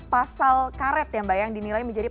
pasal karet ya mbak yang dinilai menjadi